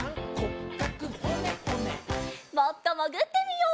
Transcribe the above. もっともぐってみよう。